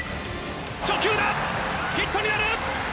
初球だヒットになる！